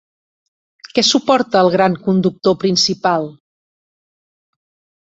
Què suporta el gran conductor principal?